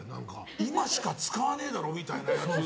今しか使わねえだろみたいなやつ。